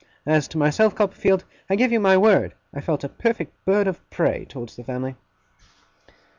As to myself, Copperfield, I give you my word, I felt a perfect bird of prey towards the family.